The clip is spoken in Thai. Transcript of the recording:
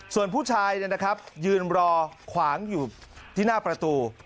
ส่วนผู้ชายยืนรอขวางอยู่ที่หน้าประตู